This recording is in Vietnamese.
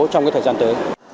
trong thời gian tới